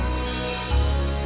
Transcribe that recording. kamu jauh di mata